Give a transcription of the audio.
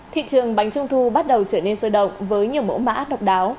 thị trường bánh trung thu bắt đầu trở nên sôi động với nhiều mẫu mã độc đáo